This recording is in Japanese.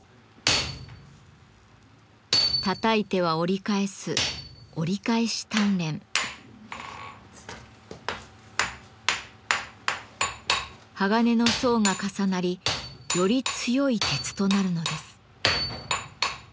たたいては折り返す鋼の層が重なりより強い鉄となるのです。